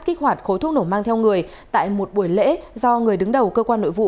kích hoạt khối thuốc nổ mang theo người tại một buổi lễ do người đứng đầu cơ quan nội vụ